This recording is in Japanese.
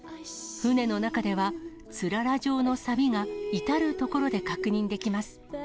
船の中ではつらら状のさびが至る所で確認できます。